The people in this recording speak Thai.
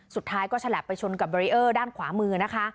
สุดท้ายก็ฉลับไปชนกับเบรีเออร์ด้านขวามือนะคะ